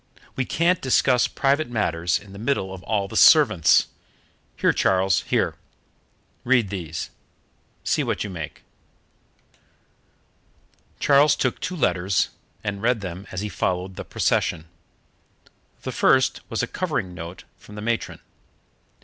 We can't discuss private matters in the middle of all the servants. Here, Charles, here; read these. See what you make." Charles took two letters, and read them as he followed the procession. The first was a covering note from the matron.